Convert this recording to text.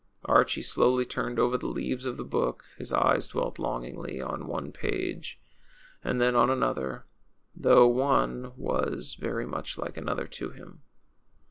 Archie slowly turned over the leaves of the book; his eyes dwelt longingly first on one page and then on another, though one was very much like another to him.